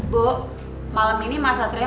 bu malam ini mas satria